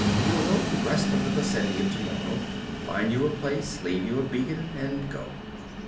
We'll load the rest of the bessendium tomorrow, find you a place, leave you a beacon, and go."